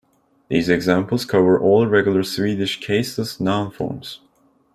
These examples cover all regular Swedish caseless noun forms.